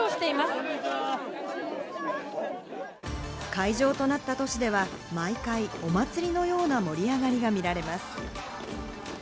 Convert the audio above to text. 会場となった都市では毎回、お祭りのような盛り上がりが見られます。